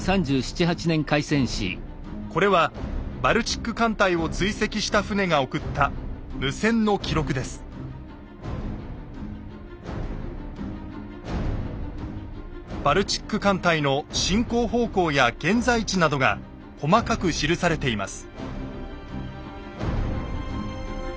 これはバルチック艦隊を追跡した船が送ったバルチック艦隊の進行方向や現在地などが細かく記されています。